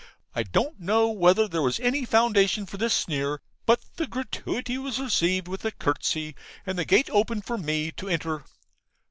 I don't know whether there was any foundation for this sneer, but the gratuity was received with a curtsey, and the gate opened for me to enter.